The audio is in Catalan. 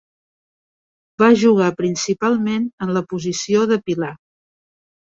Va jugar principalment en la posició de pilar.